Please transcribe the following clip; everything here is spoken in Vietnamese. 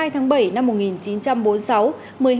một mươi hai tháng bảy năm một nghìn chín trăm bốn mươi sáu